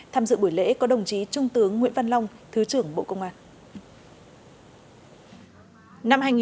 tham dự buổi lễ có đồng chí trung tướng nguyễn văn long thứ trưởng bộ công an